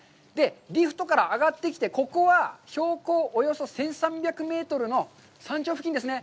リフトから上がってきて、ここは標高およそ１３００メートルの山頂付近ですね。